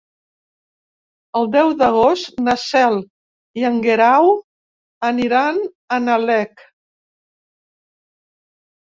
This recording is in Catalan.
El deu d'agost na Cel i en Guerau aniran a Nalec.